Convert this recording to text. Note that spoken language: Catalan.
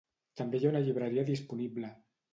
També hi ha una llibreria disponible.